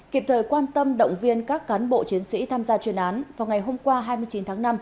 kịp thời quan tâm động viên các cán bộ chiến sĩ tham gia chuyên án vào ngày hôm qua hai mươi chín tháng năm